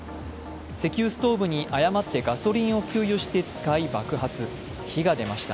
石油ストーブに誤ってガソリンを給油して爆発、火が出ました。